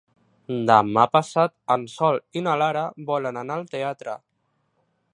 Demà passat en Sol i na Lara volen anar al teatre.